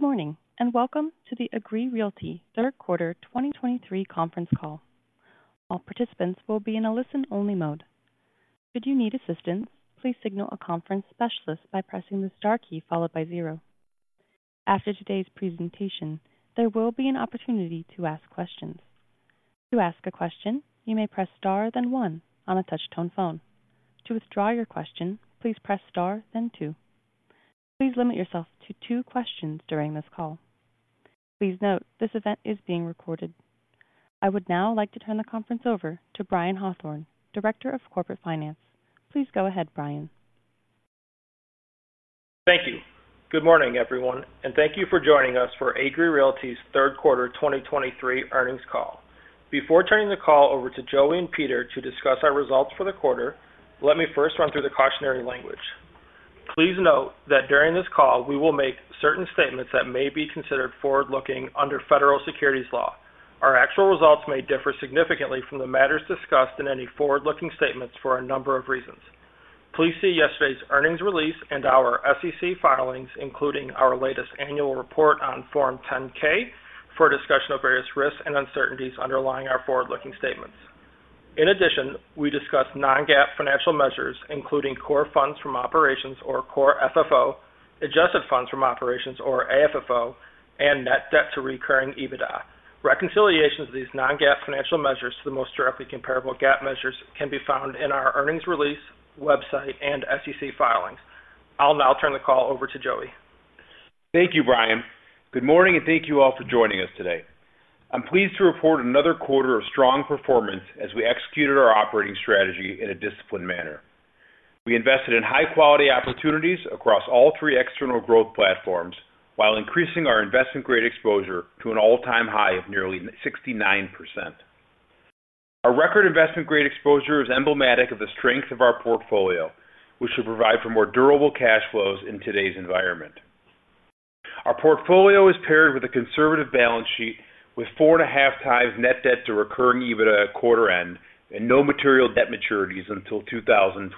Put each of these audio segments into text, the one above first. Good morning, and welcome to the Agree Realty Third Quarter 2023 conference call. All participants will be in a listen-only mode. Should you need assistance, please signal a conference specialist by pressing the star key followed by zero. After today's presentation, there will be an opportunity to ask questions. To ask a question, you may press star, then one on a touch-tone phone. To withdraw your question, please press star, then two. Please limit yourself to two questions during this call. Please note, this event is being recorded. I would now like to turn the conference over to Brian Hawthorne, Director of Corporate Finance. Please go ahead, Brian. Thank you. Good morning, everyone, and thank you for joining us for Agree Realty's third quarter 2023 earnings call. Before turning the call over to Joey and Peter to discuss our results for the quarter, let me first run through the cautionary language. Please note that during this call, we will make certain statements that may be considered forward-looking under federal securities law. Our actual results may differ significantly from the matters discussed in any forward-looking statements for a number of reasons. Please see yesterday's earnings release and our SEC filings, including our latest annual report on Form 10-K, for a discussion of various risks and uncertainties underlying our forward-looking statements. In addition, we discuss non-GAAP financial measures, including core funds from operations or Core FFO, adjusted funds from operations or AFFO, and net debt to recurring EBITDA. Reconciliations of these non-GAAP financial measures to the most directly comparable GAAP measures can be found in our earnings release, website, and SEC filings. I'll now turn the call over to Joey. Thank you, Brian. Good morning, and thank you all for joining us today. I'm pleased to report another quarter of strong performance as we executed our operating strategy in a disciplined manner. We invested in high-quality opportunities across all three external growth platforms while increasing our investment-grade exposure to an all-time high of nearly 69%. Our record investment-grade exposure is emblematic of the strength of our portfolio, which should provide for more durable cash flows in today's environment. Our portfolio is paired with a conservative balance sheet with 4.5x net debt to recurring EBITDA at quarter end and no material debt maturities until 2028.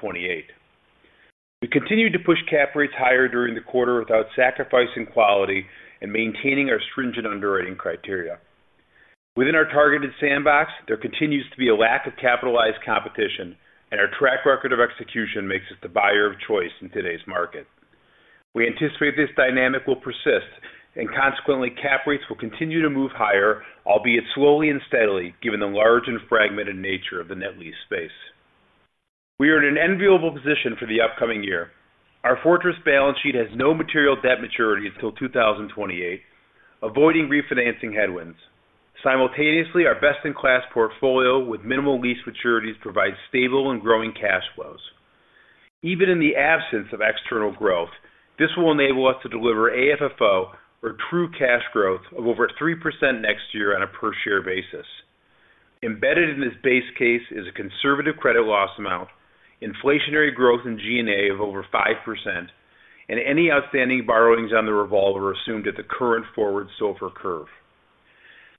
We continued to push cap rates higher during the quarter without sacrificing quality and maintaining our stringent underwriting criteria. Within our targeted sandbox, there continues to be a lack of capitalized competition, and our track record of execution makes us the buyer of choice in today's market. We anticipate this dynamic will persist, and consequently, cap rates will continue to move higher, albeit slowly and steadily, given the large and fragmented nature of the net lease space. We are in an enviable position for the upcoming year. Our fortress balance sheet has no material debt maturity until 2028, avoiding refinancing headwinds. Simultaneously, our best-in-class portfolio with minimal lease maturities provides stable and growing cash flows. Even in the absence of external growth, this will enable us to deliver AFFO or true cash growth of over 3% next year on a per-share basis. Embedded in this base case is a conservative credit loss amount, inflationary growth in G&A of over 5%, and any outstanding borrowings on the revolver are assumed at the current forward SOFR curve.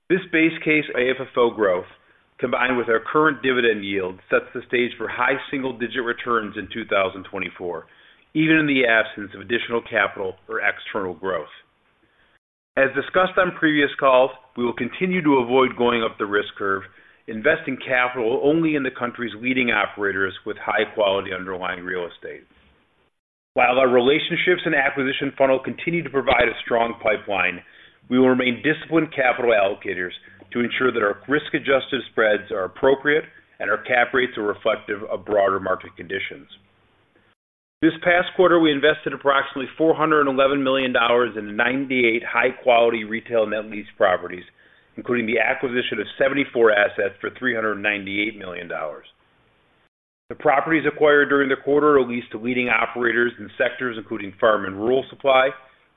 This base case AFFO growth, combined with our current dividend yield, sets the stage for high single-digit returns in 2024, even in the absence of additional capital or external growth. As discussed on previous calls, we will continue to avoid going up the risk curve, investing capital only in the country's leading operators with high-quality underlying real estate. While our relationships and acquisition funnel continue to provide a strong pipeline, we will remain disciplined capital allocators to ensure that our risk-adjusted spreads are appropriate and our cap rates are reflective of broader market conditions. This past quarter, we invested approximately $411 million in 98 high-quality retail net lease properties, including the acquisition of 74 assets for $398 million. The properties acquired during the quarter are leased to leading operators in sectors including farm and rural supply,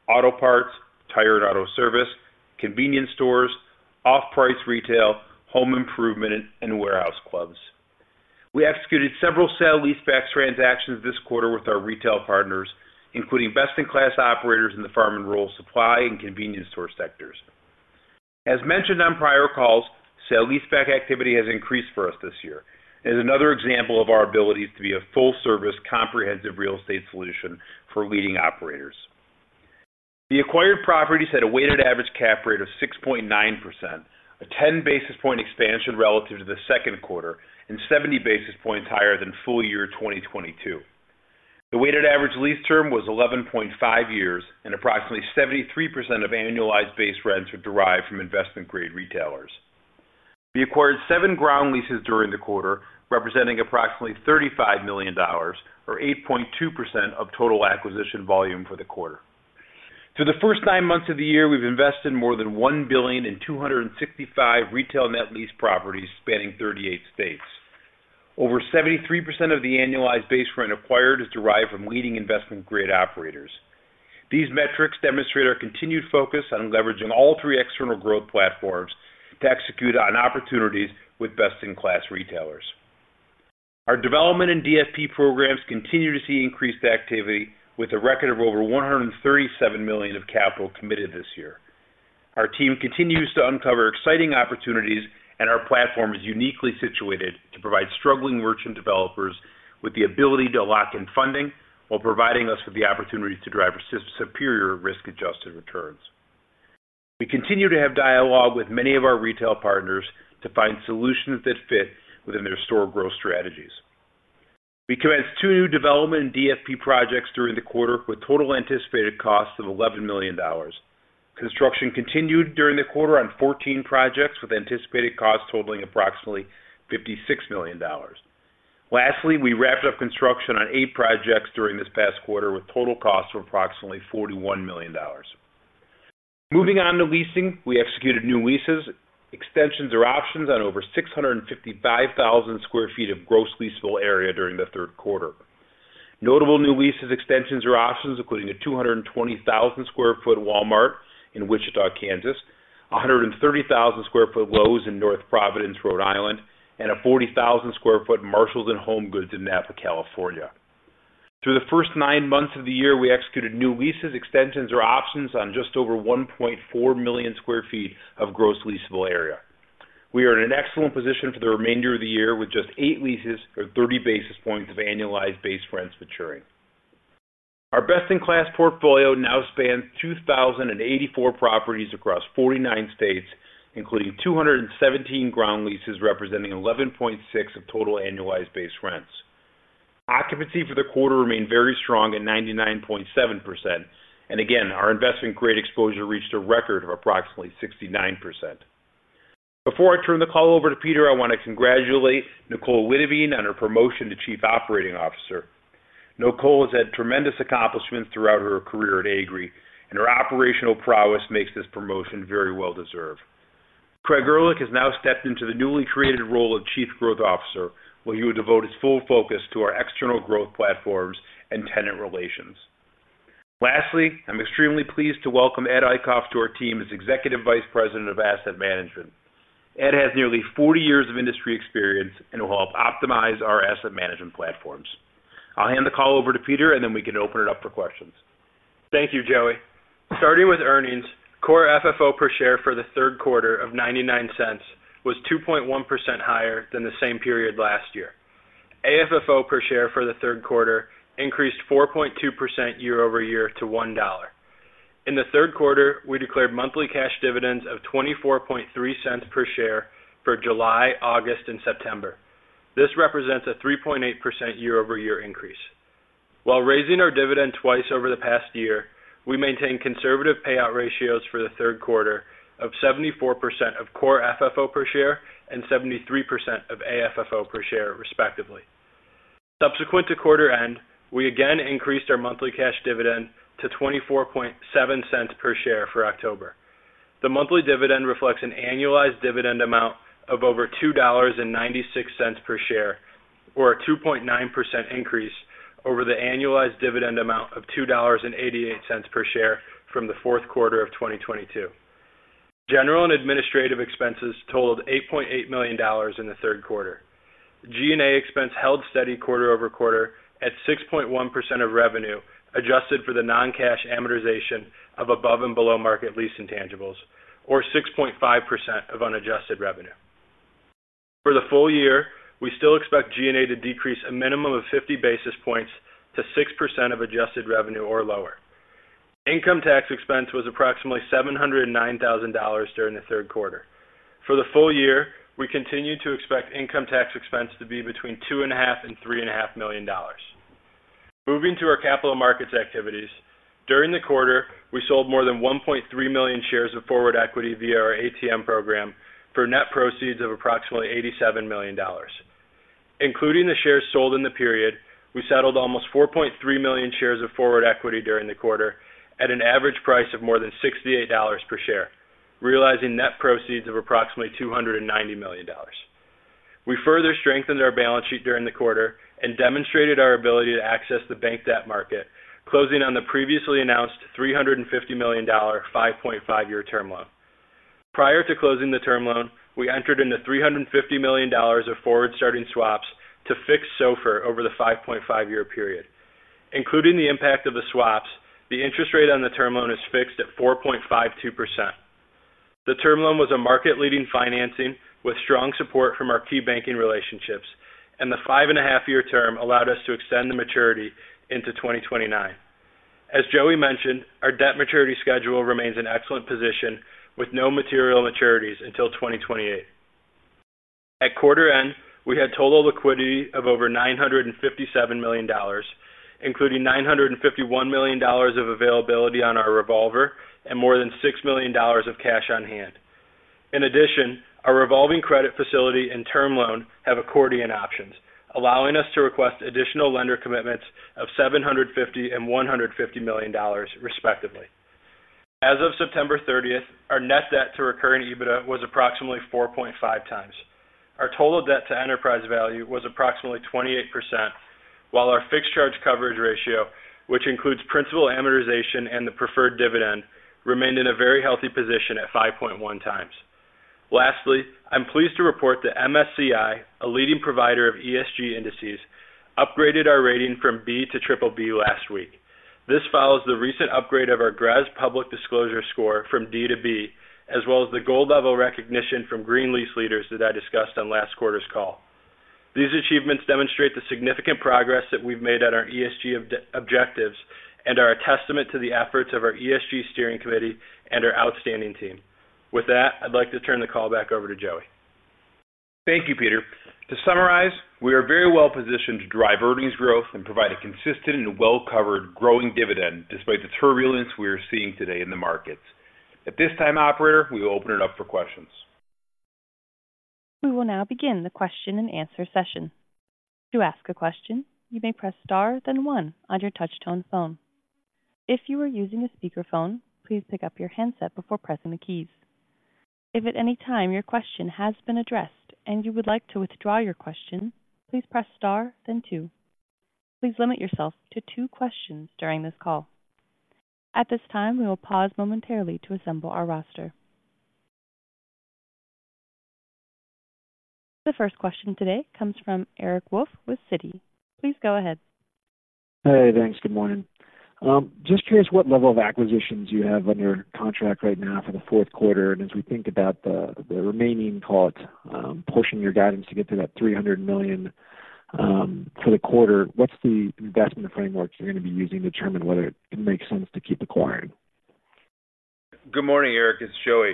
auto parts, tire and auto service, convenience stores, off-price retail, home improvement, and warehouse clubs. We executed several sale leaseback transactions this quarter with our retail partners, including best-in-class operators in the farm and rural supply and convenience store sectors. As mentioned on prior calls, sale leaseback activity has increased for us this year. It is another example of our ability to be a full-service, comprehensive real estate solution for leading operators. The acquired properties had a weighted average cap rate of 6.9%, a 10 basis point expansion relative to the second quarter and 70 basis points higher than full year 2022. The weighted average lease term was 11.5 years, and approximately 73% of annualized base rents are derived from investment-grade retailers. We acquired seven ground leases during the quarter, representing approximately $35 million or 8.2% of total acquisition volume for the quarter. For the first nine months of the year, we've invested more than $1 billion in 265 retail net lease properties spanning 38 states. Over 73% of the annualized base rent acquired is derived from leading investment-grade operators. These metrics demonstrate our continued focus on leveraging all three external growth platforms to execute on opportunities with best-in-class retailers. Our development and DFP programs continue to see increased activity, with a record of over $137 million of capital committed this year. Our team continues to uncover exciting opportunities, and our platform is uniquely situated to provide struggling merchant developers with the ability to lock in funding, while providing us with the opportunity to drive superior risk-adjusted returns. We continue to have dialogue with many of our retail partners to find solutions that fit within their store growth strategies. We commenced two new development and DFP projects during the quarter, with total anticipated costs of $11 million. Construction continued during the quarter on 14 projects, with anticipated costs totaling approximately $56 million. Lastly, we wrapped up construction on eight projects during this past quarter, with total costs of approximately $41 million. Moving on to leasing, we executed new leases, extensions, or options on over 655,000 sq ft of gross leasable area during the third quarter. Notable new leases, extensions, or options, including a 220,000 sq ft Walmart in Wichita, Kansas, a 130,000 sq ft Lowe's in North Providence, Rhode Island, and a 40,000 sq ft Marshalls and HomeGoods in Napa, California. Through the first 9 months of the year, we executed new leases, extensions, or options on just over 1.4 million sq ft of gross leasable area. We are in an excellent position for the remainder of the year, with just eight leases or 30 basis points of annualized base rents maturing. Our best-in-class portfolio now spans 2,084 properties across 49 states, including 217 ground leases, representing 11.6% of total annualized base rents. Occupancy for the quarter remained very strong at 99.7%. Again, our investment-grade exposure reached a record of approximately 69%. Before I turn the call over to Peter, I want to congratulate Nicole Witteveen on her promotion to Chief Operating Officer. Nicole has had tremendous accomplishments throughout her career at Agree, and her operational prowess makes this promotion very well-deserved. Craig Erlich has now stepped into the newly created role of Chief Growth Officer, where he will devote his full focus to our external growth platforms and tenant relations. Lastly, I'm extremely pleased to welcome Edward Eickhoff to our team as Executive Vice President of Asset Management. Ed has nearly 40 years of industry experience and will help optimize our asset management platforms. I'll hand the call over to Peter, and then we can open it up for questions. Thank you, Joey. Starting with earnings, core FFO per share for the third quarter of $0.99 was 2.1% higher than the same period last year. AFFO per share for the third quarter increased 4.2% year-over-year to $1. In the third quarter, we declared monthly cash dividends of $0.243 per share for July, August, and September. This represents a 3.8% year-over-year increase. While raising our dividend twice over the past year, we maintained conservative payout ratios for the third quarter of 74% of core FFO per share and 73% of AFFO per share, respectively. Subsequent to quarter end, we again increased our monthly cash dividend to $0.247 per share for October. The monthly dividend reflects an annualized dividend amount of over $2.96 per share, or a 2.9% increase over the annualized dividend amount of $2.88 per share from the fourth quarter of 2022. General and administrative expenses totaled $8.8 million in the third quarter. G&A expense held steady quarter over quarter at 6.1% of revenue, adjusted for the non-cash amortization of above and below-market lease intangibles, or 6.5% of unadjusted revenue. For the full year, we still expect G&A to decrease a minimum of 50 basis points to 6% of adjusted revenue or lower. Income tax expense was approximately $709,000 during the third quarter. For the full year, we continue to expect income tax expense to be between $2.5 million and $3.5 million. Moving to our capital markets activities. During the quarter, we sold more than 1.3 million shares of forward equity via our ATM program for net proceeds of approximately $87 million. Including the shares sold in the period, we settled almost 4.3 million shares of forward equity during the quarter at an average price of more than $68 per share, realizing net proceeds of approximately $290 million. We further strengthened our balance sheet during the quarter and demonstrated our ability to access the bank debt market, closing on the previously announced $350 million, 5.5-year term loan. Prior to closing the term loan, we entered into $350 million of forward-starting swaps to fix SOFR over the 5.5-year period. Including the impact of the swaps, the interest rate on the term loan is fixed at 4.52%. The term loan was a market-leading financing with strong support from our key banking relationships, and the 5.5-year term allowed us to extend the maturity into 2029. As Joey mentioned, our debt maturity schedule remains in excellent position, with no material maturities until 2028. At quarter end, we had total liquidity of over $957 million, including $951 million of availability on our revolver and more than $6 million of cash on hand. In addition, our revolving credit facility and term loan have accordion options, allowing us to request additional lender commitments of $750 million and $150 million, respectively. As of September 30th, our net debt to recurring EBITDA was approximately 4.5x. Our total debt to enterprise value was approximately 28%, while our fixed charge coverage ratio, which includes principal amortization and the preferred dividend, remained in a very healthy position at 5.1x. Lastly, I'm pleased to report that MSCI, a leading provider of ESG indices, upgraded our rating from B to BBB last week. This follows the recent upgrade of our GRESB Public Disclosure score from D to B, as well as the gold-level recognition from Green Lease Leaders that I discussed on last quarter's call. These achievements demonstrate the significant progress that we've made at our ESG objectives and are a testament to the efforts of our ESG steering committee and our outstanding team. With that, I'd like to turn the call back over to Joey. Thank you, Peter. To summarize, we are very well-positioned to drive earnings growth and provide a consistent and well-covered growing dividend despite the turbulence we are seeing today in the markets. At this time, operator, we will open it up for questions. We will now begin the question-and-answer session. To ask a question, you may press Star, then one on your touch-tone phone. If you are using a speakerphone, please pick up your handset before pressing the keys. If at any time your question has been addressed and you would like to withdraw your question, please press Star, then two. Please limit yourself to two questions during this call. At this time, we will pause momentarily to assemble our roster. The first question today comes from Eric Wolfe with Citi. Please go ahead. Hey, thanks. Good morning. Just curious what level of acquisitions you have under contract right now for the fourth quarter, and as we think about the remaining part pushing your guidance to get to that $300 million for the quarter, what's the investment framework you're gonna be using to determine whether it makes sense to keep acquiring? Good morning, Eric. It's Joey.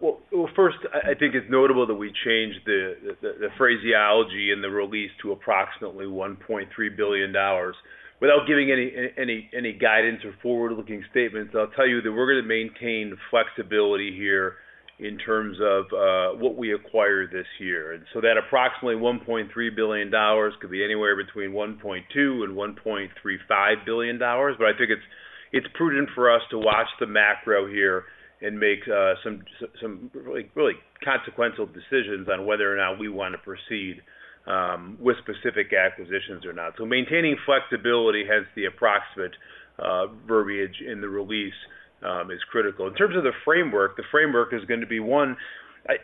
Well, well, first, I think it's notable that we changed the phraseology in the release to approximately $1.3 billion. Without giving any guidance or forward-looking statements, I'll tell you that we're gonna maintain flexibility here in terms of what we acquire this year. And so that approximately $1.3 billion could be anywhere between $1.2 billion and $1.35 billion. But I think it's prudent for us to watch the macro here and make some really consequential decisions on whether or not we want to proceed with specific acquisitions or not. So maintaining flexibility, hence the approximate verbiage in the release, is critical. In terms of the framework, the framework is going to be, one,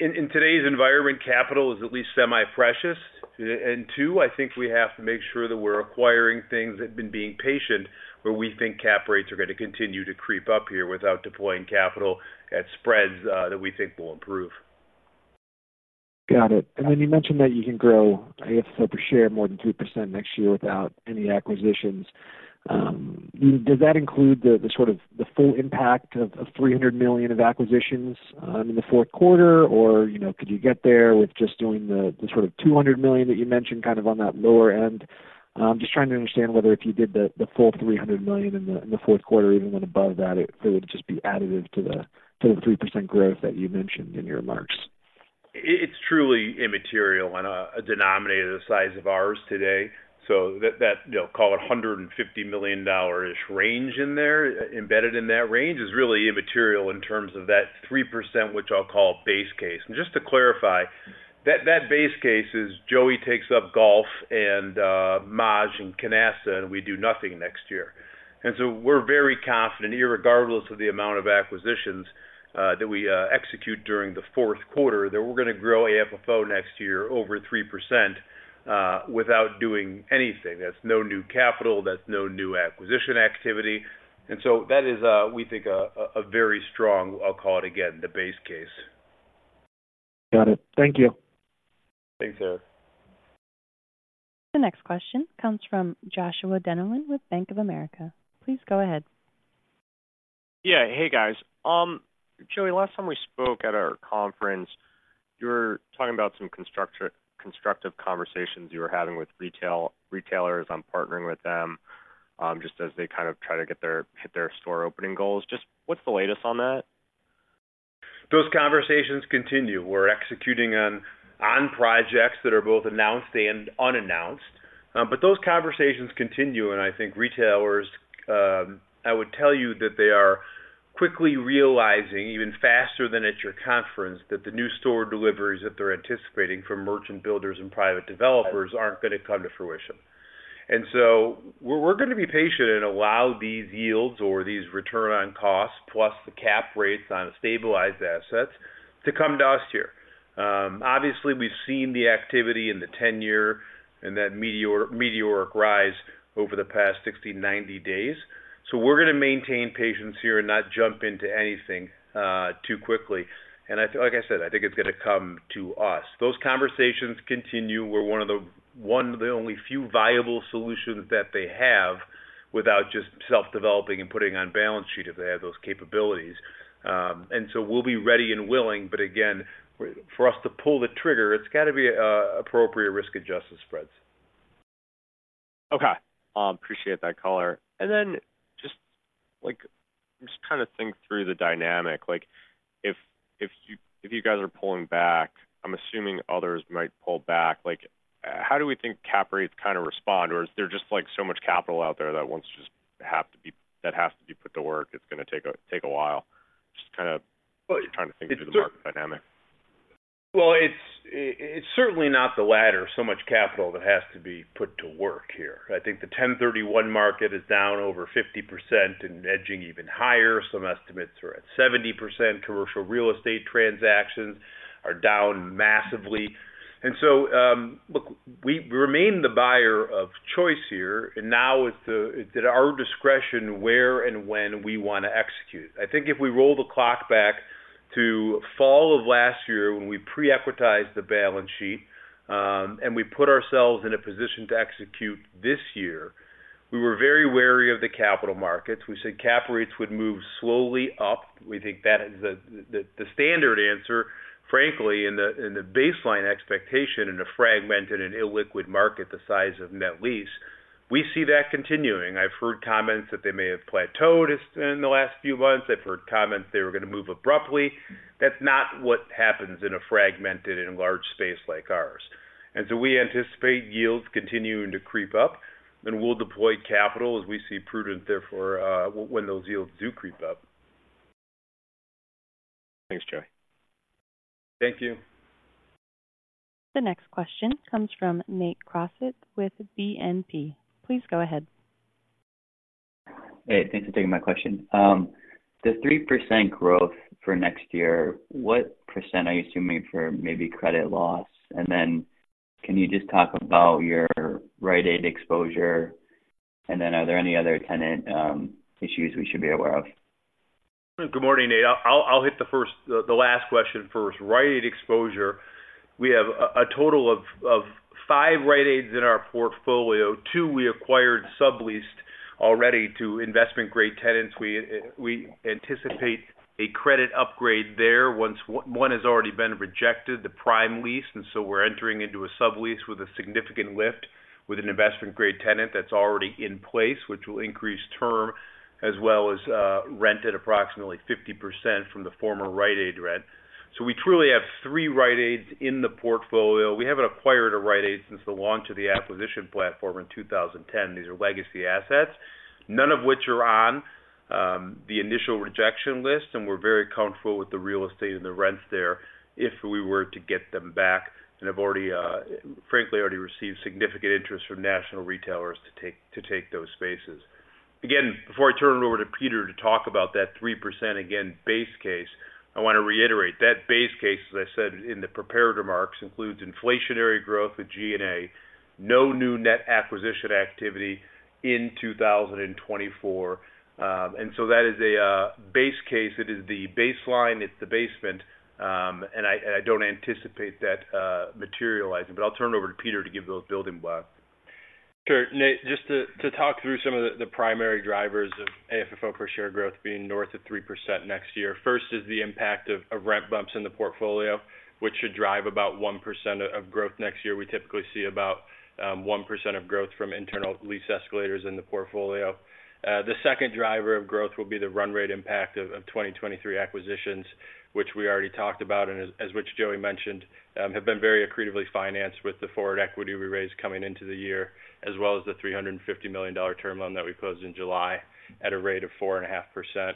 in today's environment, capital is at least semi-precious. And two, I think we have to make sure that we're acquiring things and been being patient, where we think cap rates are going to continue to creep up here without deploying capital at spreads that we think will improve. Got it. Then you mentioned that you can grow AFFO per share more than 3% next year without any acquisitions. Does that include the sort of full impact of $300 million of acquisitions in the fourth quarter? Or, you know, could you get there with just doing the sort of $200 million that you mentioned, kind of on that lower end? Just trying to understand whether if you did the full $300 million in the fourth quarter or even above that, it would just be additive to the 3% growth that you mentioned in your remarks. It's truly immaterial on a denominator the size of ours today. So that, you know, call it $150 million-ish range in there, embedded in that range, is really immaterial in terms of that 3%, which I'll call base case. And just to clarify, that base case is Joey takes up golf and M&A and capex, and we do nothing next year. And so we're very confident, irregardless of the amount of acquisitions that we execute during the fourth quarter, that we're gonna grow AFFO next year over 3% without doing anything. That's no new capital, that's no new acquisition activity. And so that is, we think, a very strong, I'll call it again, the base case. Got it. Thank you. Thanks, Eric. The next question comes from Joshua Dennerlein with Bank of America. Please go ahead. Yeah. Hey, guys. Joey, last time we spoke at our conference, you were talking about some constructive conversations you were having with retailers on partnering with them, just as they kind of try to hit their store opening goals. Just what's the latest on that? Those conversations continue. We're executing on projects that are both announced and unannounced. But those conversations continue, and I think retailers, I would tell you that they are quickly realizing, even faster than at your conference, that the new store deliveries that they're anticipating from merchant builders and private developers aren't going to come to fruition. And so we're gonna be patient and allow these yields or these return on costs, plus the cap rates on the stabilized assets, to come to us here. Obviously, we've seen the activity in the 10-year and that meteoric rise over the past 60-90 days. So we're gonna maintain patience here and not jump into anything too quickly. And like I said, I think it's gonna come to us. Those conversations continue. We're one of the only few viable solutions that they have without just self-developing and putting on balance sheet if they have those capabilities. And so we'll be ready and willing, but again, for us to pull the trigger, it's got to be appropriate risk-adjusted spreads. Okay. Appreciate that color. And then just, like, just kind of think through the dynamic. Like, if, if you, if you guys are pulling back, I'm assuming others might pull back. Like, how do we think cap rates kind of respond, or is there just, like, so much capital out there that wants just have to be - that has to be put to work, it's gonna take a, take a while? Just kind of trying to think through the market dynamic. Well, it's certainly not the latter. So much capital that has to be put to work here. I think the 1031 market is down over 50% and edging even higher. Some estimates are at 70%. Commercial real estate transactions are down massively. And so, look, we remain the buyer of choice here, and now it's at our discretion where and when we want to execute. I think if we roll the clock back to fall of last year, when we pre-equitized the balance sheet, and we put ourselves in a position to execute this year, we were very wary of the capital markets. We said cap rates would move slowly up. We think that is the standard answer, frankly, in the baseline expectation, in a fragmented and illiquid market the size of net lease. We see that continuing. I've heard comments that they may have plateaued in the last few months. I've heard comments they were going to move abruptly. That's not what happens in a fragmented and large space like ours. And so we anticipate yields continuing to creep up, and we'll deploy capital as we see prudent, therefore, when those yields do creep up. Thanks, Joey. Thank you. The next question comes from Nate Crossett with BNP. Please go ahead. Hey, thanks for taking my question. The 3% growth for next year, what percent are you assuming for maybe credit loss? And then can you just talk about your Rite Aid exposure, and then are there any other tenant issues we should be aware of? Good morning, Nate. I'll hit the last question first. Rite Aid exposure. We have a total of 5 Rite Aids in our portfolio. two, we acquired subleased already to investment-grade tenants. We anticipate a credit upgrade there. One has already been rejected, the prime lease, and so we're entering into a sublease with a significant lift with an investment-grade tenant that's already in place, which will increase term as well as rent at approximately 50% from the former Rite Aid rent. So we truly have three Rite Aids in the portfolio. We haven't acquired a Rite Aid since the launch of the acquisition platform in 2010. These are legacy assets, none of which are on the initial rejection list, and we're very comfortable with the real estate and the rents there if we were to get them back, and have already, frankly, already received significant interest from national retailers to take, to take those spaces. Again, before I turn it over to Peter to talk about that 3%, again, base case, I want to reiterate that base case, as I said in the prepared remarks, includes inflationary growth of G&A, no new net acquisition activity in 2024. And so that is a base case. It is the baseline, it's the basement, and I don't anticipate that materializing. But I'll turn it over to Peter to give those building blocks. Sure. Nate, just to talk through some of the primary drivers of AFFO per share growth being north of 3% next year. First is the impact of rent bumps in the portfolio, which should drive about 1% of growth next year. We typically see about 1% of growth from internal lease escalators in the portfolio. The second driver of growth will be the run rate impact of 2023 acquisitions, which we already talked about, and as which Joey mentioned, have been very accretively financed with the forward equity we raised coming into the year, as well as the $350 million term loan that we closed in July at a rate of 4.5%.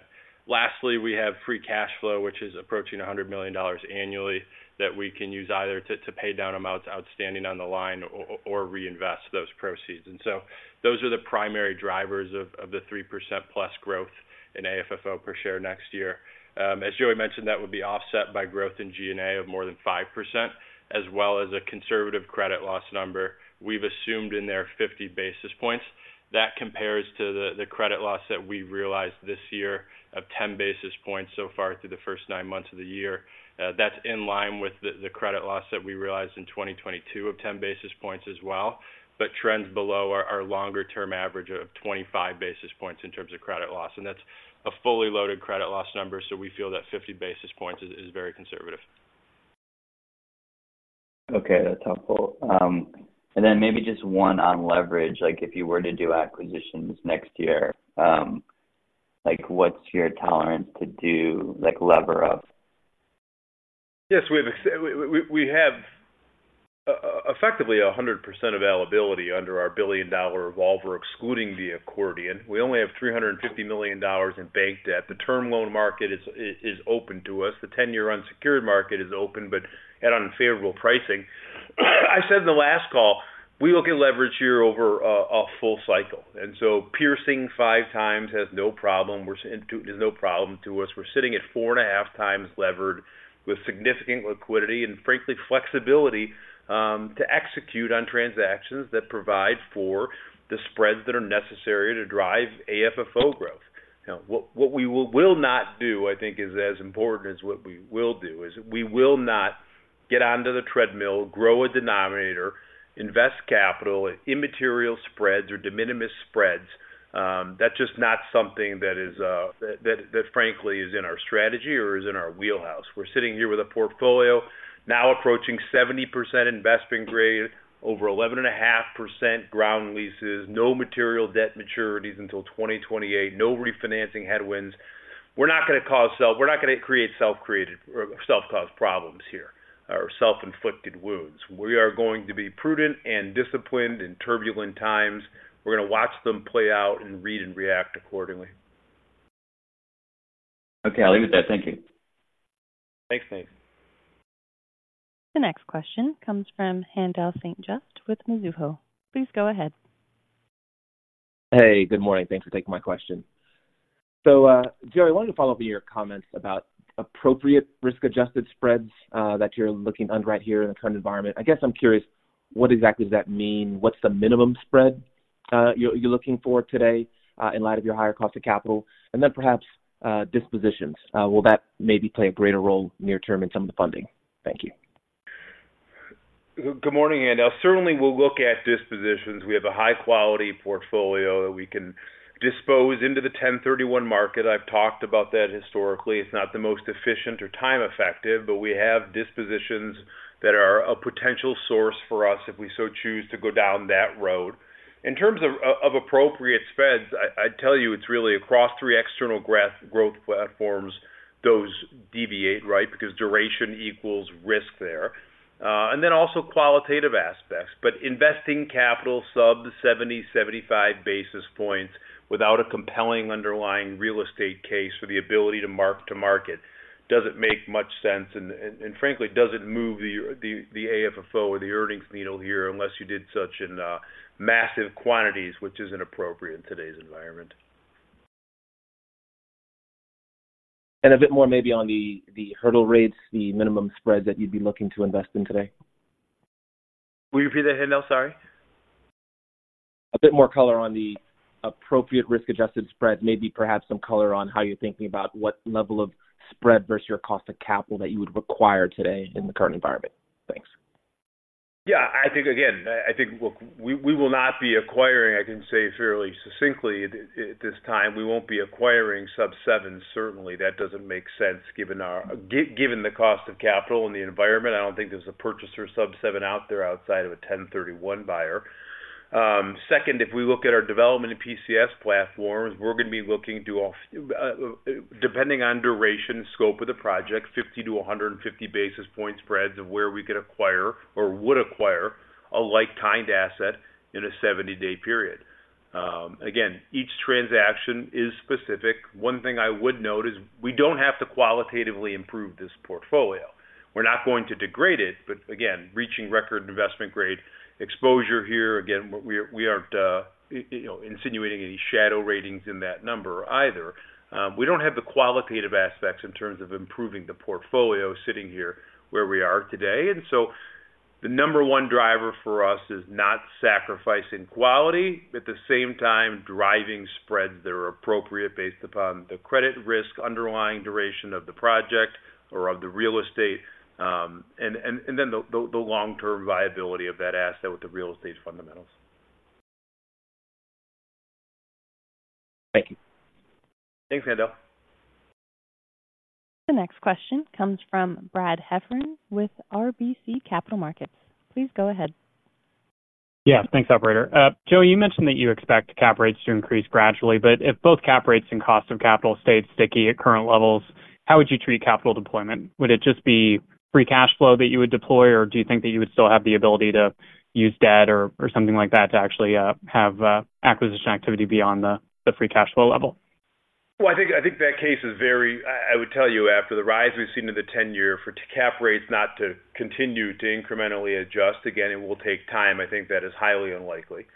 Lastly, we have free cash flow, which is approaching $100 million annually, that we can use either to pay down amounts outstanding on the line or reinvest those proceeds. And so those are the primary drivers of the 3%+ growth in AFFO per share next year. As Joey mentioned, that would be offset by growth in G&A of more than 5%, as well as a conservative credit loss number. We've assumed in there 50 basis points. That compares to the credit loss that we realized this year of 10 basis points so far through the first nine months of the year. That's in line with the credit loss that we realized in 2022 of 10 basis points as well, but trends below our longer-term average of 25 basis points in terms of credit loss. That's a fully loaded credit loss number, so we feel that 50 basis points is very conservative. Okay, that's helpful. And then maybe just one on leverage. Like, if you were to do acquisitions next year, like, what's your tolerance to do, like, lever up? Yes, we've. We have effectively 100% availability under our $1 billion-dollar revolver, excluding the accordion. We only have $350 million in bank debt. The term loan market is open to us. The 10-year unsecured market is open, but at unfavorable pricing. I said in the last call, we look at leverage here over a full cycle, and so piercing 5 times has no problem, is no problem to us. We're sitting at 4.5x levered with significant liquidity and frankly, flexibility, to execute on transactions that provide for the spreads that are necessary to drive AFFO growth. Now, what we will not do, I think, is as important as what we will do, is we will not get onto the treadmill, grow a denominator, invest capital at immaterial spreads or de minimis spreads. That's just not something that frankly is in our strategy or is in our wheelhouse. We're sitting here with a portfolio now approaching 70% investment grade, over 11.5% ground leases, no material debt maturities until 2028, no refinancing headwinds. We're not going to create self-created or self-caused problems here, or self-inflicted wounds. We are going to be prudent and disciplined in turbulent times. We're going to watch them play out and read and react accordingly. Okay, I'll leave it there. Thank you. Thanks, Nate. The next question comes from Haendel St. Juste with Mizuho. Please go ahead. Hey, good morning. Thanks for taking my question. So, Joey, I wanted to follow up on your comments about appropriate risk-adjusted spreads that you're looking under right here in the current environment. I guess I'm curious, what exactly does that mean? What's the minimum spread you're looking for today, in light of your higher cost of capital? And then perhaps, dispositions will that maybe play a greater role near term in some of the funding? Thank you. Good morning, Haendel. Certainly, we'll look at dispositions. We have a high-quality portfolio that we can dispose into the 1031 market. I've talked about that historically. It's not the most efficient or time-effective, but we have dispositions that are a potential source for us if we so choose to go down that road. In terms of, of appropriate spreads, I, I'd tell you, it's really across three external growth platforms. Those deviate, right, because duration equals risk there. And then also qualitative aspects. But investing capital sub 70, 75 basis points without a compelling underlying real estate case or the ability to mark-to-market, doesn't make much sense, and, and, and frankly, doesn't move the, the, the AFFO or the earnings needle here, unless you did such in massive quantities, which isn't appropriate in today's environment. A bit more maybe on the hurdle rates, the minimum spreads that you'd be looking to invest in today? Will you repeat that, Haendel? Sorry. A bit more color on the appropriate risk-adjusted spread. Maybe perhaps some color on how you're thinking about what level of spread versus your cost of capital that you would require today in the current environment. Thanks. Yeah, I think again, I think, look, we, we will not be acquiring, I can say fairly succinctly at, at this time, we won't be acquiring sub-7. Certainly, that doesn't make sense given our given the cost of capital and the environment, I don't think there's a purchaser sub-7 out there outside of a 1031 buyer. Second, if we look at our development and PCS platforms, we're gonna be looking to a few. Depending on duration, scope of the project, 50-150 basis point spreads of where we could acquire or would acquire a like-kind asset in a 70-day period. Again, each transaction is specific. One thing I would note is we don't have to qualitatively improve this portfolio. We're not going to degrade it, but again, reaching record Investment Grade exposure here. Again, we, we aren't, you know, insinuating any shadow ratings in that number either. We don't have the qualitative aspects in terms of improving the portfolio sitting here where we are today, and so the number one driver for us is not sacrificing quality, at the same time, driving spreads that are appropriate based upon the credit risk, underlying duration of the project or of the real estate, and then the long-term viability of that asset with the real estate fundamentals. Thank you. Thanks, Haendel. The next question comes from Brad Heffern with RBC Capital Markets. Please go ahead. Yeah, thanks, operator. Joe, you mentioned that you expect cap rates to increase gradually, but if both cap rates and cost of capital stay sticky at current levels, how would you treat capital deployment? Would it just be free cash flow that you would deploy, or do you think that you would still have the ability to use debt or, or something like that to actually have acquisition activity beyond the free cash flow level? Well, I think, I think that case is very... I, I would tell you, after the rise we've seen in the 10-year, for cap rates not to continue to incrementally adjust, again, it will take time. I think that is highly unlikely.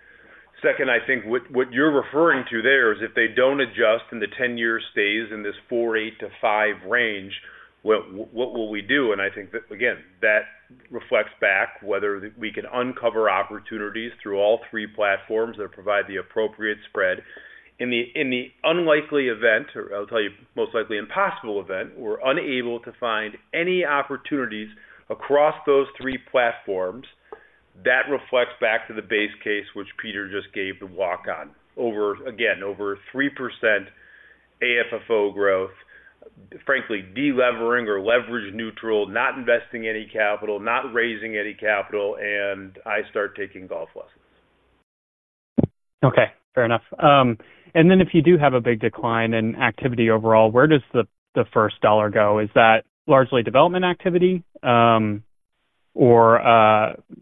Second, I think what, what you're referring to there is if they don't adjust and the 10-year stays in this 4.8-5 range, what, what will we do? And I think, again, that reflects back whether we can uncover opportunities through all three platforms that provide the appropriate spread. In the, in the unlikely event, or I'll tell you, most likely impossible event, we're unable to find any opportunities across those three platforms, that reflects back to the base case, which Peter just gave the walk on. Over, again, over 3% AFFO growth, frankly, delevering or leverage neutral, not investing any capital, not raising any capital, and I start taking golf lessons. Okay, fair enough. And then if you do have a big decline in activity overall, where does the first dollar go? Is that largely development activity, or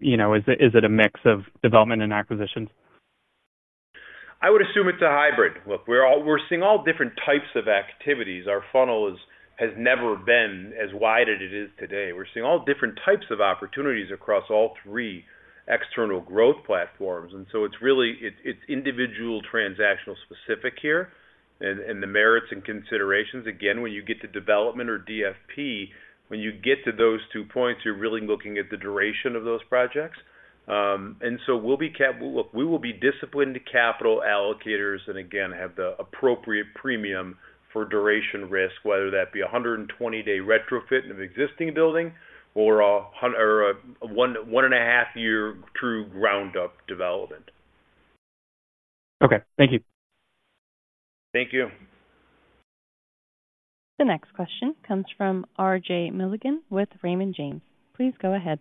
you know, is it a mix of development and acquisitions? I would assume it's a hybrid. Look, we're seeing all different types of activities. Our funnel has never been as wide as it is today. We're seeing all different types of opportunities across all three external growth platforms, and so it's really individual transaction specific here. And the merits and considerations, again, when you get to development or DFP, when you get to those two points, you're really looking at the duration of those projects. Look, we will be disciplined capital allocators and again, have the appropriate premium for duration risk, whether that be a 120-day retrofit in an existing building or a 1.5-year true ground-up development. Okay, thank you. Thank you. The next question comes from RJ Milligan with Raymond James. Please go ahead.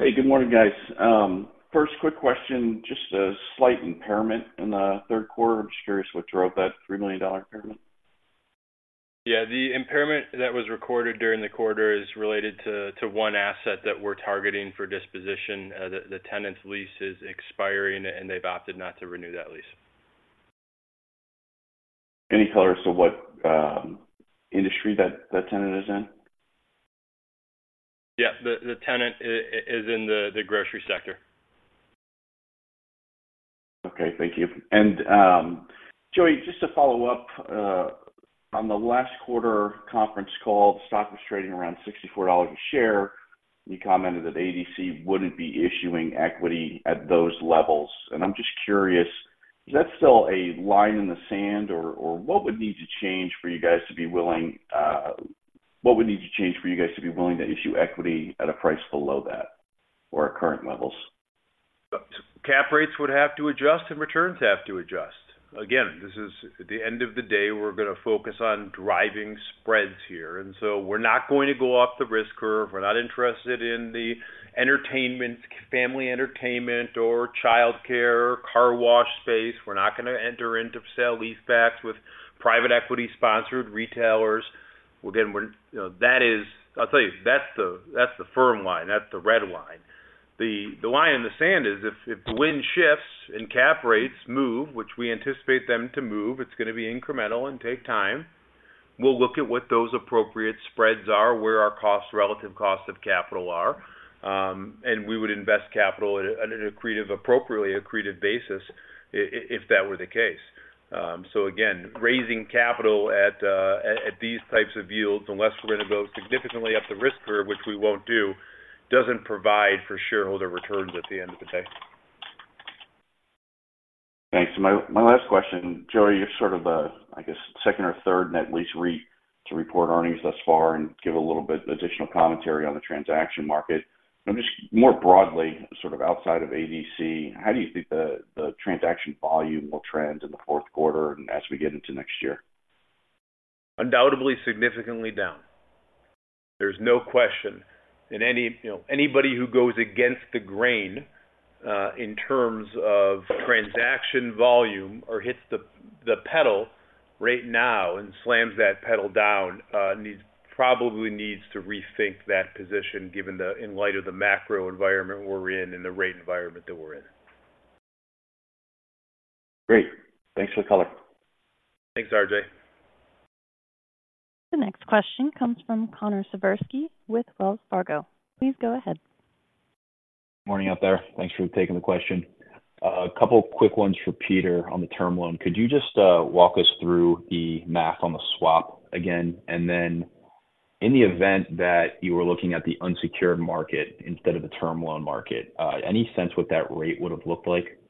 Hey, good morning, guys. First quick question, just a slight impairment in the third quarter. I'm just curious what drove that $3 million impairment? Yeah, the impairment that was recorded during the quarter is related to one asset that we're targeting for disposition. The tenant's lease is expiring, and they've opted not to renew that lease. Any color as to what industry that tenant is in? Yeah, the tenant is in the grocery sector. Okay, thank you. And, Joey, just to follow up, on the last quarter conference call, stock was trading around $64 a share. You commented that ADC wouldn't be issuing equity at those levels. And I'm just curious, is that still a line in the sand, or what would need to change for you guys to be willing to issue equity at a price below that or at current levels? Cap rates would have to adjust and returns have to adjust. Again, this is, at the end of the day, we're going to focus on driving spreads here, and so we're not going to go off the risk curve. We're not interested in the entertainment, family entertainment or childcare, car wash space. We're not going to enter into sale-leasebacks with private equity-sponsored retailers. We're getting, you know, that is, I'll tell you, that's the, that's the firm line, that's the red line. The line in the sand is if the wind shifts and cap rates move, which we anticipate them to move, it's going to be incremental and take time, we'll look at what those appropriate spreads are, where our costs, relative costs of capital are. And we would invest capital at an accretive, appropriately accretive basis if that were the case. So again, raising capital at these types of yields, unless we're going to go significantly up the risk curve, which we won't do, doesn't provide for shareholder returns at the end of the day. Thanks. My, my last question, Joey, you're sort of a, I guess, second or third net lease REIT to report earnings thus far and give a little bit additional commentary on the transaction market. I'm just... more broadly, sort of outside of ADC, how do you think the, the transaction volume will trend in the fourth quarter and as we get into next year? Undoubtedly, significantly down. There's no question. And any, you know, anybody who goes against the grain in terms of transaction volume or hits the pedal right now and slams that pedal down needs probably needs to rethink that position, given, in light of the macro environment we're in and the rate environment that we're in. Great. Thanks for the color. Thanks, RJ. The next question comes from Connor Siverski with Wells Fargo. Please go ahead. Morning out there. Thanks for taking the question. A couple quick ones for Peter on the term loan. Could you just, walk us through the math on the swap again? And then in the event that you were looking at the unsecured market instead of the term loan market, any sense what that rate would have looked like?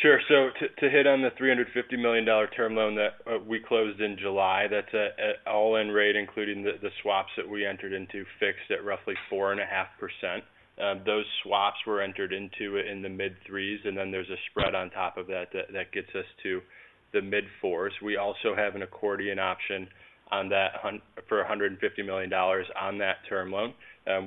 Sure. So to hit on the $350 million term loan that we closed in July, that's at all-in rate, including the swaps that we entered into, fixed at roughly 4.5%. Those swaps were entered into in the mid-threes, and then there's a spread on top of that that gets us to the mid-fours. We also have an accordion option on that for $150 million on that term loan.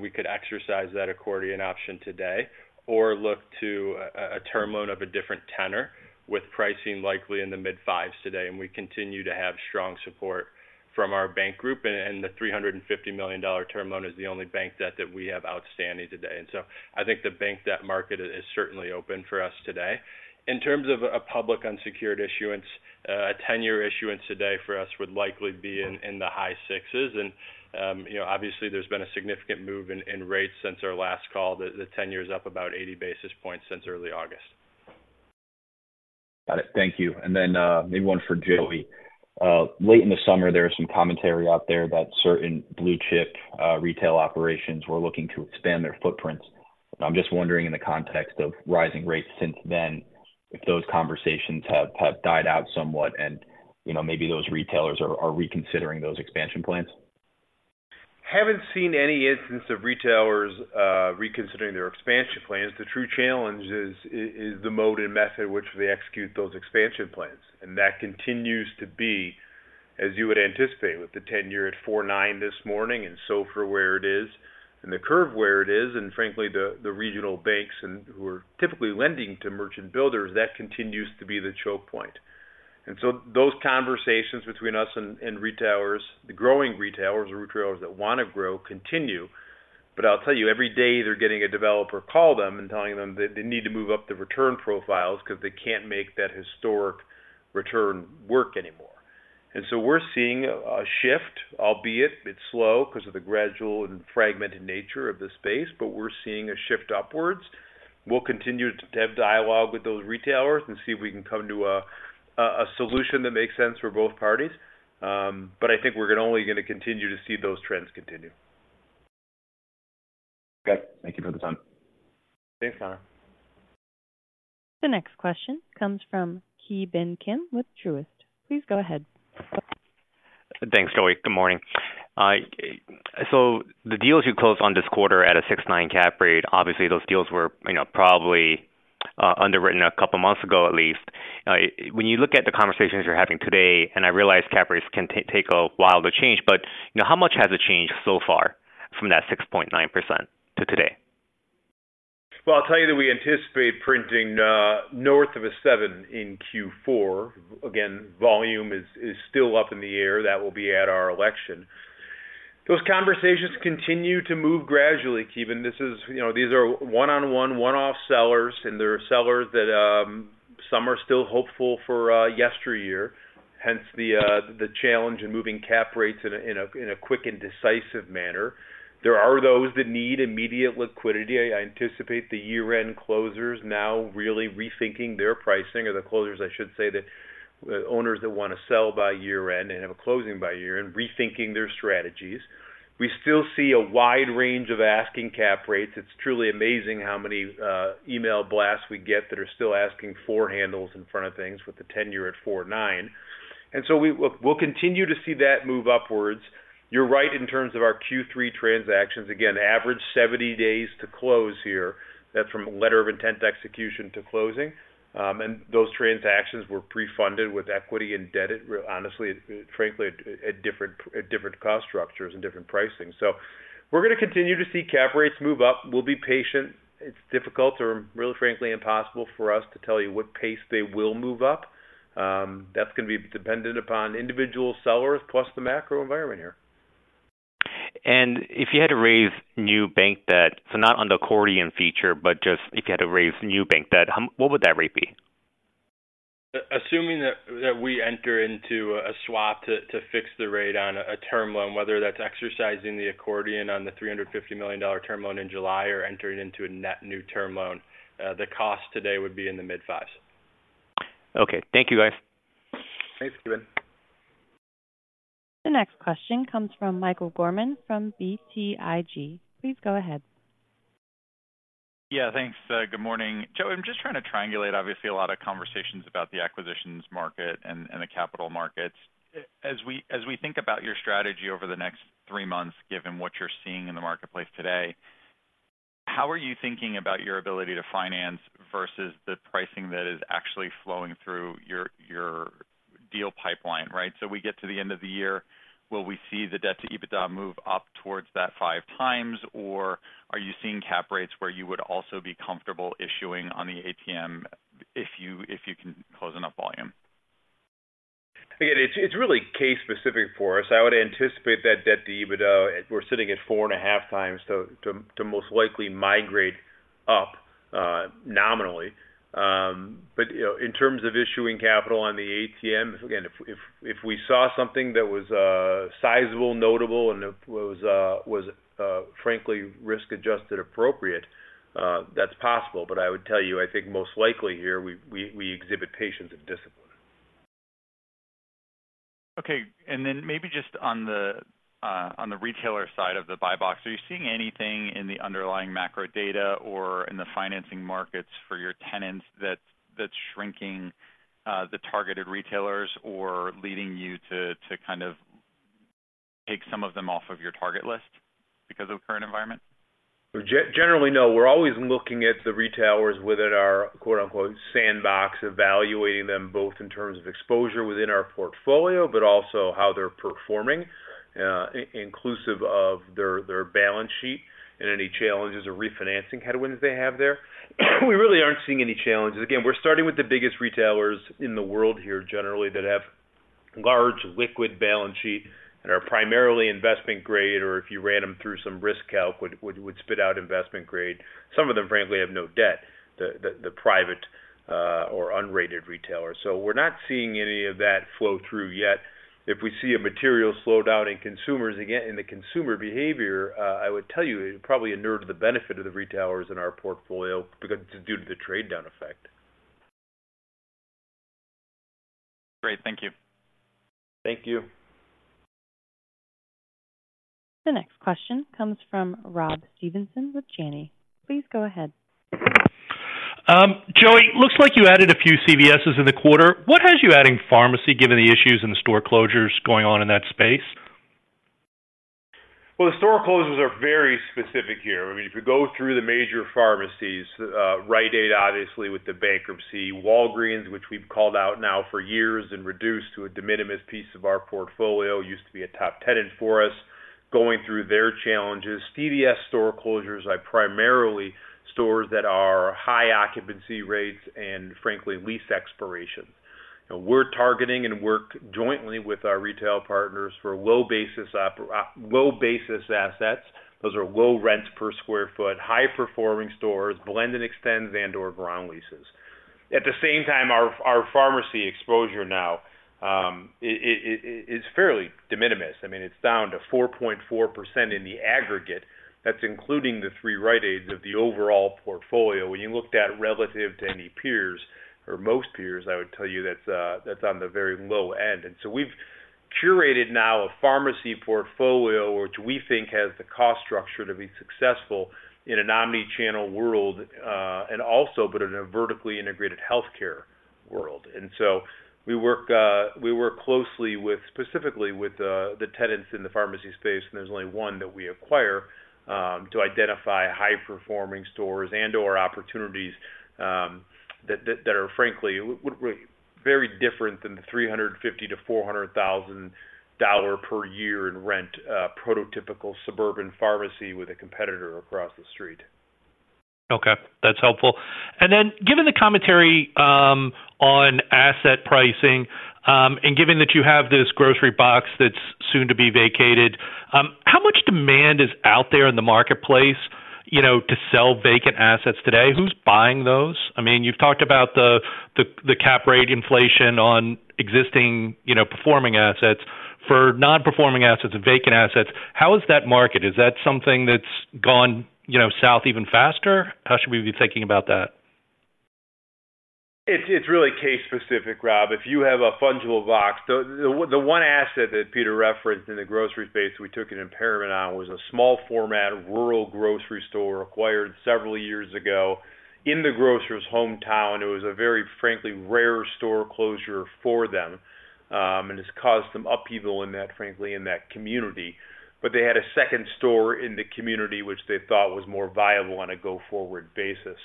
We could exercise that accordion option today or look to a term loan of a different tenor, with pricing likely in the mid-fives today. And we continue to have strong support from our bank group, and the $350 million term loan is the only bank debt that we have outstanding today. I think the bank debt market is certainly open for us today. In terms of a public unsecured issuance, a 10-year issuance today for us would likely be in the high sixes. You know, obviously, there's been a significant move in rates since our last call. The ten-year is up about 80 basis points since early August. Got it. Thank you. And then, maybe one for Joey. Late in the summer, there was some commentary out there that certain blue-chip, retail operations were looking to expand their footprints. I'm just wondering, in the context of rising rates since then, if those conversations have died out somewhat and, you know, maybe those retailers are reconsidering those expansion plans? Haven't seen any instance of retailers reconsidering their expansion plans. The true challenge is the mode and method in which they execute those expansion plans. And that continues to be, as you would anticipate, with the 10-year at 4.9% this morning, and so for where it is and the curve where it is, and frankly, the regional banks who are typically lending to merchant builders, that continues to be the choke point. And so those conversations between us and retailers, the growing retailers or retailers that want to grow, continue. But I'll tell you, every day, they're getting a developer call them and telling them that they need to move up the return profiles because they can't make that historic return work anymore. So we're seeing a shift, albeit it's slow because of the gradual and fragmented nature of this space, but we're seeing a shift upwards. We'll continue to have dialogue with those retailers and see if we can come to a solution that makes sense for both parties. But I think we're gonna only continue to see those trends continue. Okay. Thank you for the time. Thanks, Connor. The next question comes from Ki Bin Kim with Truist. Please go ahead. Thanks, Joey. Good morning. So the deals you closed on this quarter at a 6.9 cap rate, obviously, those deals were, you know, probably underwritten a couple of months ago, at least. When you look at the conversations you're having today, and I realize cap rates can take a while to change, but, you know, how much has it changed so far from that 6.9% to today? Well, I'll tell you that we anticipate printing north of seven in Q4. Again, volume is still up in the air. That will be at our election. Those conversations continue to move gradually, Ki Bin. This is you know, these are one-on-one, one-off sellers, and they're sellers that some are still hopeful for yesteryear, hence the challenge in moving cap rates in a quick and decisive manner. There are those that need immediate liquidity. I anticipate the year-end closers now really rethinking their pricing, or the closers, I should say, that owners that want to sell by year-end and have a closing by year-end, rethinking their strategies. We still see a wide range of asking cap rates. It's truly amazing how many email blasts we get that are still asking four handles in front of things with the 10-year at 4.9. And so we'll continue to see that move upwards. You're right in terms of our Q3 transactions. Again, average 70 days to close here. That's from a letter of intent to execution to closing. And those transactions were pre-funded with equity and debt, honestly, frankly, at different, at different cost structures and different pricing. So we're going to continue to see cap rates move up. We'll be patient. It's difficult or really, frankly, impossible for us to tell you what pace they will move up. That's going to be dependent upon individual sellers plus the macro environment here. If you had to raise new bank debt, so not on the accordion feature, but just if you had to raise new bank debt, what would that rate be? Assuming that we enter into a swap to fix the rate on a term loan, whether that's exercising the accordion on the $350 million term loan in July or entering into a net new term loan, the cost today would be in the mid-5s. Okay. Thank you, guys. Thanks, Ki Bin. The next question comes from Michael Gorman from BTIG. Please go ahead. Yeah, thanks. Good morning. Joe, I'm just trying to triangulate, obviously, a lot of conversations about the acquisitions market and, and the capital markets. As we, as we think about your strategy over the next three months, given what you're seeing in the marketplace today, how are you thinking about your ability to finance versus the pricing that is actually flowing through your, your deal pipeline, right? So we get to the end of the year, will we see the debt to EBITDA move up towards that 5x, or are you seeing cap rates where you would also be comfortable issuing on the ATM if you, if you can close enough volume? Again, it's really case specific for us. I would anticipate that debt to EBITDA, we're sitting at 4.5x, to most likely migrate up, nominally. But, you know, in terms of issuing capital on the ATM, again, if we saw something that was sizable, notable, and it was frankly, risk-adjusted appropriate, that's possible. But I would tell you, I think most likely here, we exhibit patience and discipline. Okay, and then maybe just on the retailer side of the buy box, are you seeing anything in the underlying macro data or in the financing markets for your tenants that's shrinking the targeted retailers or leading you to kind of take some of them off of your target list because of the current environment? Generally, no. We're always looking at the retailers within our, quote-unquote, "sandbox," evaluating them both in terms of exposure within our portfolio, but also how they're performing, inclusive of their balance sheet and any challenges or refinancing headwinds they have there. We really aren't seeing any challenges. Again, we're starting with the biggest retailers in the world here, generally, that have large liquid balance sheet and are primarily investment grade, or if you ran them through some risk calc, would spit out investment grade. Some of them, frankly, have no debt, the private or unrated retailers. So we're not seeing any of that flow through yet. If we see a material slowdown in consumers, again, in the consumer behavior, I would tell you, it probably inured the benefit of the retailers in our portfolio due to the trade down effect. Great. Thank you. Thank you. The next question comes from Rob Stevenson with Janney. Please go ahead. Joey, looks like you added a few CVSs in the quarter. What has you adding pharmacy, given the issues and the store closures going on in that space? Well, the store closures are very specific here. I mean, if you go through the major pharmacies, Rite Aid, obviously, with the bankruptcy, Walgreens, which we've called out now for years and reduced to a de minimis piece of our portfolio, used to be a top tenant for us, going through their challenges. CVS store closures are primarily stores that are high occupancy rates and frankly, lease expirations. We're targeting and work jointly with our retail partners for low basis assets. Those are low rents per square foot, high-performing stores, blend and extend, and/or ground leases. At the same time, our pharmacy exposure now is fairly de minimis. I mean, it's down to 4.4% in the aggregate. That's including the three Rite Aids of the overall portfolio. When you looked at relative to any peers or most peers, I would tell you that's on the very low end. We've curated now a pharmacy portfolio, which we think has the cost structure to be successful in an omni-channel world, and also but in a vertically integrated healthcare world. We work closely with, specifically with, the tenants in the pharmacy space, and there's only one that we acquire to identify high-performing stores and/or opportunities that are frankly very different than the $350,000-$400,000 per year in rent prototypical suburban pharmacy with a competitor across the street. Okay, that's helpful. And then given the commentary on asset pricing, and given that you have this grocery box that's soon to be vacated, how much demand is out there in the marketplace, you know, to sell vacant assets today? Who's buying those? I mean, you've talked about the cap rate inflation on existing, you know, performing assets. For non-performing assets and vacant assets, how is that market? Is that something that's gone, you know, south even faster? How should we be thinking about that? It's really case specific, Rob. If you have a fungible box. The one asset that Peter referenced in the grocery space we took an impairment on was a small format, rural grocery store, acquired several years ago in the grocer's hometown. It was a very, frankly, rare store closure for them, and it's caused some upheaval in that, frankly, in that community. But they had a second store in the community, which they thought was more viable on a go-forward basis.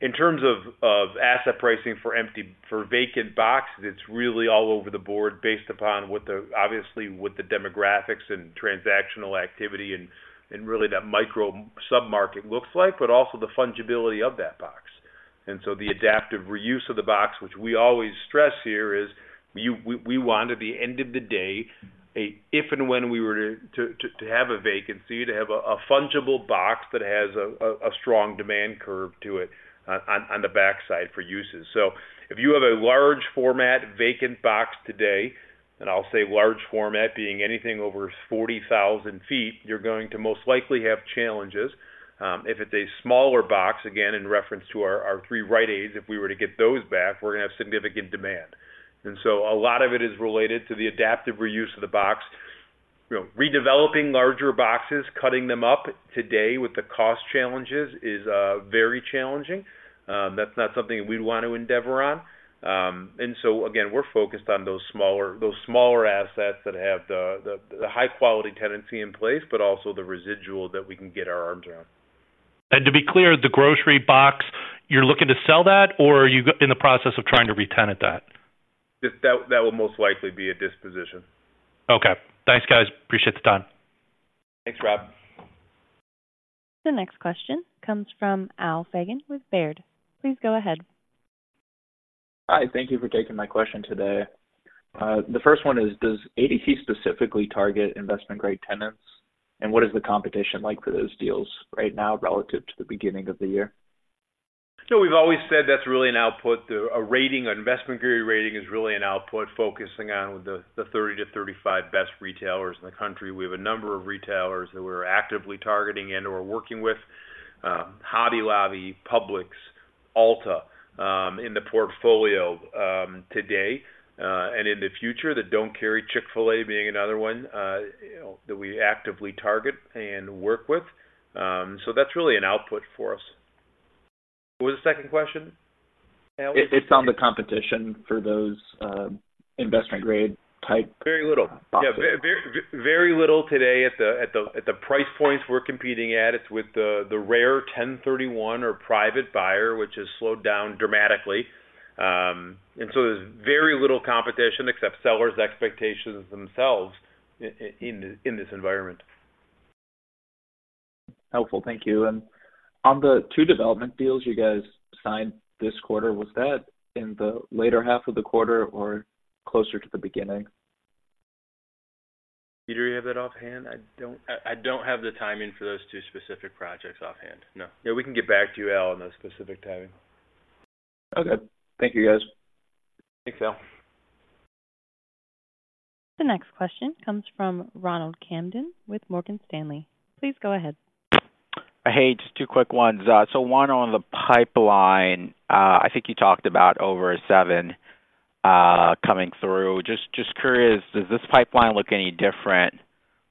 In terms of asset pricing for empty—for vacant boxes, it's really all over the board, based upon what the—obviously, what the demographics and transactional activity and, and really, that micro submarket looks like, but also the fungibility of that box. And so the adaptive reuse of the box, which we always stress here, is we want, at the end of the day, if and when we were to have a vacancy, to have a strong demand curve to it on the backside for uses. So if you have a large format, vacant box today, and I'll say large format being anything over 40,000 ft, you're going to most likely have challenges. If it's a smaller box, again, in reference to our three Rite Aids, if we were to get those back, we're gonna have significant demand. And so a lot of it is related to the adaptive reuse of the box. You know, redeveloping larger boxes, cutting them up today with the cost challenges is very challenging. That's not something we'd want to endeavor on. And so again, we're focused on those smaller assets that have the high-quality tenancy in place, but also the residual that we can get our arms around. To be clear, the grocery box, you're looking to sell that, or are you in the process of trying to retenant that? That will most likely be a disposition. Okay. Thanks, guys. Appreciate the time. Thanks, Rob. The next question comes from Al Fagan with Baird. Please go ahead. Hi, thank you for taking my question today. The first one is, does ADC specifically target investment-grade tenants, and what is the competition like for those deals right now relative to the beginning of the year? So we've always said that's really an output. The, a rating, an Investment Grade rating is really an output focusing on the, the 30-35 best retailers in the country. We have a number of retailers that we're actively targeting and/or working with, Hobby Lobby, Publix, Ulta, in the portfolio, today, and in the future, that don't carry Chick-fil-A, being another one, you know, that we actively target and work with. So that's really an output for us. What was the second question, Al? It's on the competition for those investment-grade type. Very little. Yeah, very little today at the price points we're competing at. It's with the rare 1031 or private buyer, which has slowed down dramatically. And so there's very little competition except sellers' expectations themselves in this environment. Helpful. Thank you. On the two development deals you guys signed this quarter, was that in the later half of the quarter or closer to the beginning? Peter, do you have that offhand? I don't... I don't have the timing for those two specific projects offhand. No. Yeah, we can get back to you, Al, on those specific timing. Okay. Thank you, guys. Thanks, Al. The next question comes from Ronald Kamdem with Morgan Stanley. Please go ahead. Hey, just two quick ones. One on the pipeline. I think you talked about over seven coming through. Just, just curious, does this pipeline look any different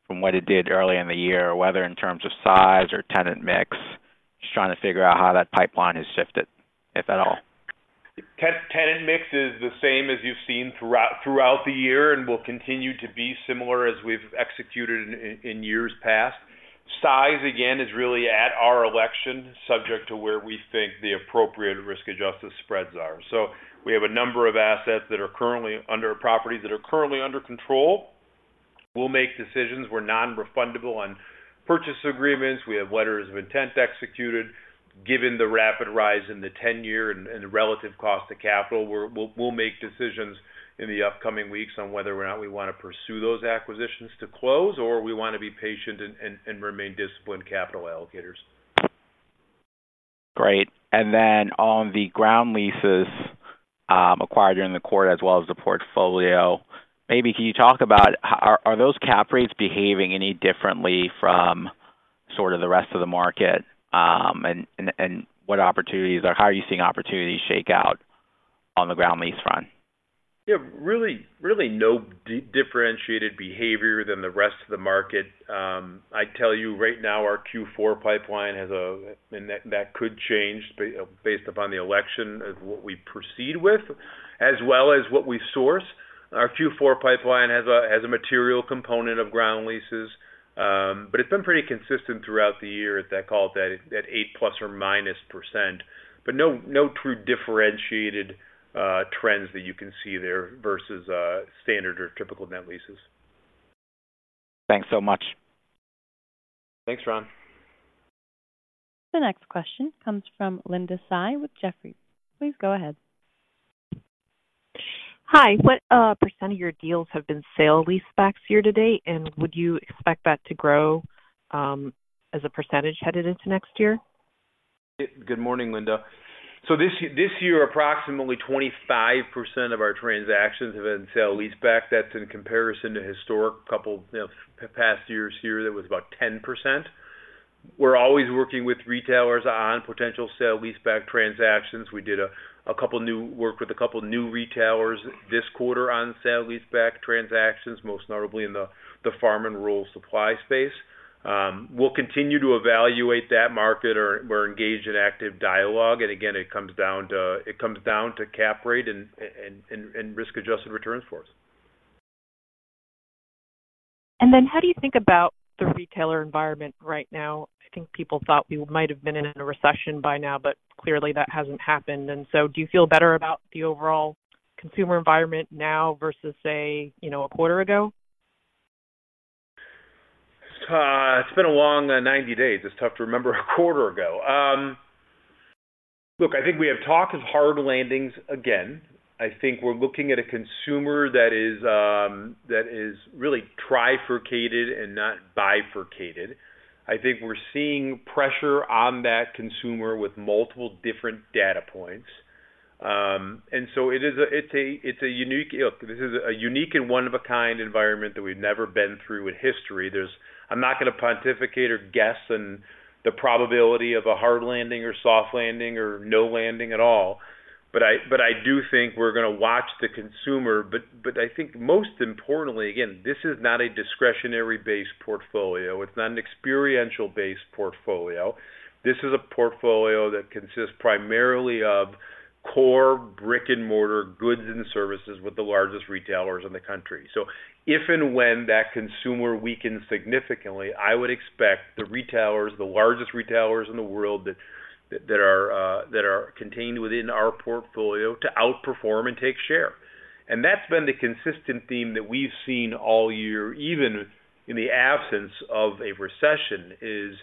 from what it did early in the year, whether in terms of size or tenant mix? Just trying to figure out how that pipeline has shifted, if at all. Tenant mix is the same as you've seen throughout the year and will continue to be similar as we've executed in years past. Size, again, is really at our election, subject to where we think the appropriate risk-adjusted spreads are. So we have a number of assets that are currently under control. We'll make decisions. We're non-refundable on purchase agreements. We have letters of intent executed. Given the rapid rise in the 10-year and the relative cost of capital, we'll make decisions in the upcoming weeks on whether or not we want to pursue those acquisitions to close, or we want to be patient and remain disciplined capital allocators. Great. And then on the ground leases acquired during the quarter, as well as the portfolio, maybe can you talk about how are those cap rates behaving any differently from sort of the rest of the market? And what opportunities or how are you seeing opportunities shake out on the ground lease front? Yeah, really, really no differentiated behavior than the rest of the market. I tell you right now, our Q4 pipeline and that could change based upon the election of what we proceed with, as well as what we source. Our Q4 pipeline has a material component of ground leases, but it's been pretty consistent throughout the year at that, call it 8% ±, but no true differentiated trends that you can see there versus standard or typical net leases. Thanks so much. Thanks, Ron. The next question comes from Linda Tsai with Jefferies. Please go ahead. Hi. What percent of your deals have been sale-leasebacks year to date, and would you expect that to grow as a percentage headed into next year? Good morning, Linda. So this year, approximately 25% of our transactions have been sale-leaseback. That's in comparison to historic couple, you know, past years here, that was about 10%. We're always working with retailers on potential sale-leaseback transactions. We worked with a couple new retailers this quarter on sale-leaseback transactions, most notably in the farm and rural supply space. We'll continue to evaluate that market or we're engaged in active dialogue, and again, it comes down to cap rate and risk-adjusted returns for us. Then how do you think about the retailer environment right now? I think people thought we might have been in a recession by now, but clearly that hasn't happened. Do you feel better about the overall consumer environment now versus, say, you know, a quarter ago? It's been a long 90 days. It's tough to remember a quarter ago. Look, I think we have talk of hard landings again. I think we're looking at a consumer that is really trifurcated and not bifurcated. I think we're seeing pressure on that consumer with multiple different data points. And so it is a... it's a unique... Look, this is a unique and one-of-a-kind environment that we've never been through in history. There's. I'm not going to pontificate or guess on the probability of a hard landing or soft landing or no landing at all, but I do think we're going to watch the consumer. But I think most importantly, again, this is not a discretionary-based portfolio. It's not an experiential-based portfolio. This is a portfolio that consists primarily of core brick-and-mortar goods and services with the largest retailers in the country. So if and when that consumer weakens significantly, I would expect the retailers, the largest retailers in the world, that are contained within our portfolio to outperform and take share. And that's been the consistent theme that we've seen all year, even in the absence of a recession, is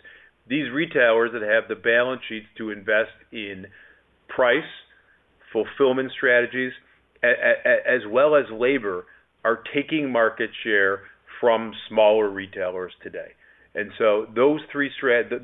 these retailers that have the balance sheets to invest in price, fulfillment strategies, as well as labor, are taking market share from smaller retailers today. And so those three strategies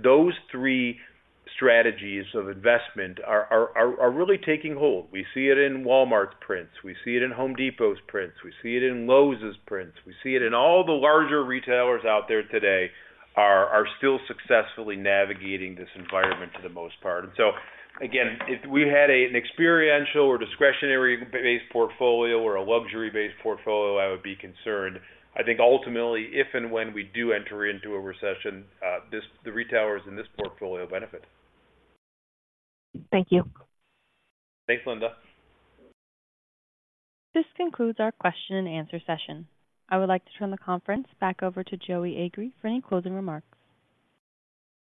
of investment are really taking hold. We see it in Walmart's prints, we see it in Home Depot's prints, we see it in Lowe's prints, we see it in all the larger retailers out there today are still successfully navigating this environment for the most part. And so, again, if we had an experiential or discretionary-based portfolio or a luxury-based portfolio, I would be concerned. I think ultimately, if and when we do enter into a recession, this, the retailers in this portfolio benefit. Thank you. Thanks, Linda. This concludes our question and answer session. I would like to turn the conference back over to Joey Agree for any closing remarks.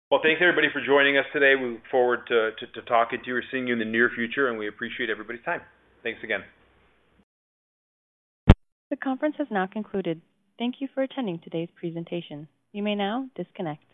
Well, thanks, everybody, for joining us today. We look forward to talking to you or seeing you in the near future, and we appreciate everybody's time. Thanks again. The conference has now concluded. Thank you for attending today's presentation. You may now disconnect.